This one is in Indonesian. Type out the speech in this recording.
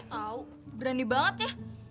tau berani banget ya